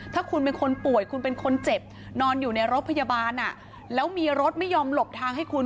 ถ้าคุณเป็นคนป่วยคุณเป็นคนเจ็บนอนอยู่ในรถพยาบาลแล้วมีรถไม่ยอมหลบทางให้คุณ